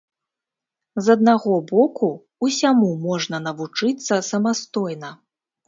З аднаго боку, усяму можна навучыцца самастойна.